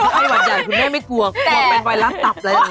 ไข้หวัดใหญ่คุณแม่ไม่กลัวกลัวเป็นไวรัสตับอะไรอย่างนี้